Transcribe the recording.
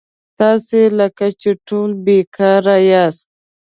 تاسي لکه چې ټول بېکاره یاست.